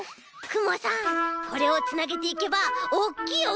くもさんこれをつなげていけばおっきいおうちができるよ。